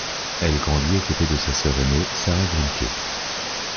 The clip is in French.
Elle grandit aux côtés de sa sœur aînée Sarah Grimké.